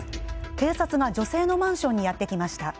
警察が女性のマンションにやって来ました。